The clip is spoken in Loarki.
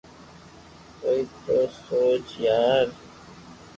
ڪوئي تو سوچ يار